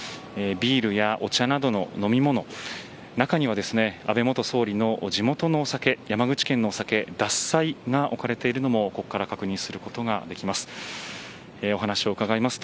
ビールやお茶などの飲み物中には、安倍元総理の地元のお酒山口県のお酒獺祭が置かれているのもここから確認することができます。